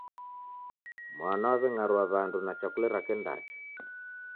Mwana w'aw'eng'arua wandu na chakule rake ndacha